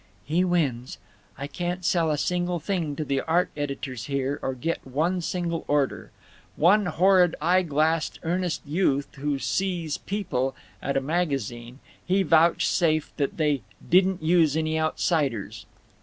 He wins. I can't sell a single thing to the art editors here or get one single order. One horrid eye glassed earnest youth who Sees People at a magazine, he vouchsafed that they "didn't use any Outsiders."